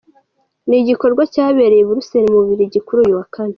Ni igikorwa cyabereye i Brussels mu Bubiligi kuri uyu wa kane.